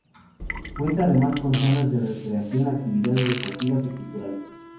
Cuenta además con zonas de recreación, actividades deportivas y culturales.